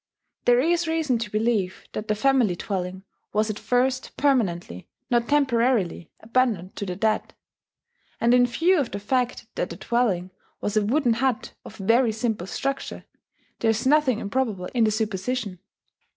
There is reason to believe that the family dwelling was at first permanently, not temporarily, abandoned to the dead; and in view of the fact that the dwelling was a wooden hut of very simple structure, there is nothing improbable in the supposition.